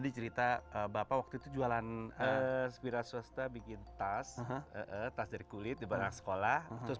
dicerita bapak waktu itu jualan spira swasta bikin tas tas dari kulit di belakang sekolah terus